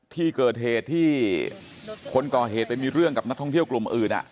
ที่เกิดเหตุที่คนก่อเหตุไปมีเรื่องกับนักท่องเที่ยวกลุ่มอื่น